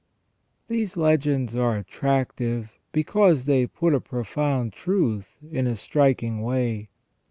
These legends are attractive because they put a profound truth in a striking way.